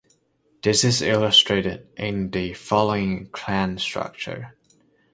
This is illustrated in the following clan structure.